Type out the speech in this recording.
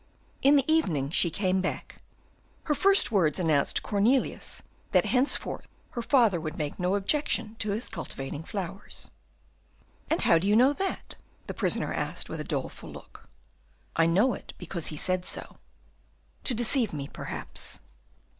In the evening she came back. Her first words announced to Cornelius that henceforth her father would make no objection to his cultivating flowers. "And how do you know that?" the prisoner asked, with a doleful look. "I know it because he has said so." "To deceive me, perhaps."